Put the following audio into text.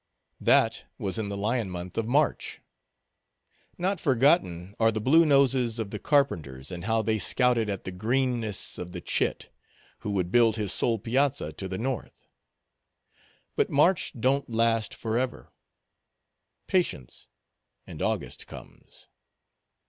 That was in the lion month of March. Not forgotten are the blue noses of the carpenters, and how they scouted at the greenness of the cit, who would build his sole piazza to the north. But March don't last forever; patience, and August comes.